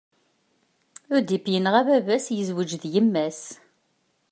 Udip yenɣa baba-s, yezwej d yemma-s.